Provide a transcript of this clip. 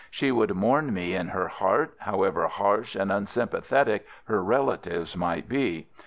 She would mourn me in her heart, however harsh and unsympathetic her relatives might be.